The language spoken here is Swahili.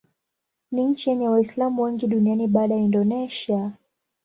Ni nchi yenye Waislamu wengi duniani baada ya Indonesia.